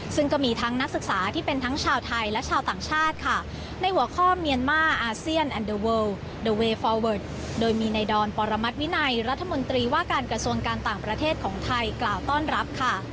ซึ่งก็มีทั้งนักศึกษาที่เป็นทั้งชาวไทยและชาวต่างชาติค่ะในหัวข้อเมียนมาอาเซียนอันเดอร์เวิลเดอร์เวย์ฟอร์เวิร์ดโดยมีในดอนปรมัติวินัยรัฐมนตรีว่าการกระทรวงการต่างประเทศของไทยกล่าวต้อนรับค่ะ